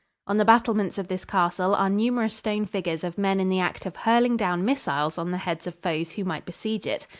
On the battlements of this castle are numerous stone figures of men in the act of hurling down missiles on the heads of foes who might besiege it.